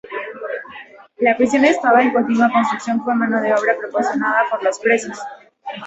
La prisión estaba en continua construcción con mano de obra proporcionada por los presos.